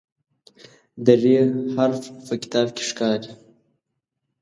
د "ر" حرف په کتاب کې ښکاري.